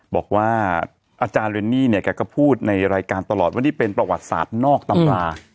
บอกว่าอาจารย์เรนนี่เนี่ยแกก็พูดในรายการตลอดว่านี่เป็นประวัติศาสตร์นอกตำรา